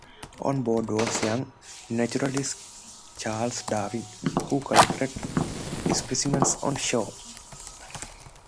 On board was the young naturalist Charles Darwin, who collected specimens on shore.